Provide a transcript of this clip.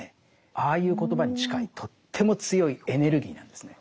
ああいう言葉に近いとっても強いエネルギーなんですね。